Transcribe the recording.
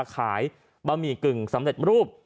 บะหมี่กึ่งสำเร็จรูป